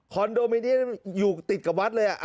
โดมิเนียมอยู่ติดกับวัดเลย